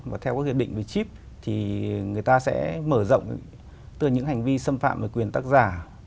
và theo các hiệp định về chip thì người ta sẽ mở rộng từ những hành vi xâm phạm về quyền tác giả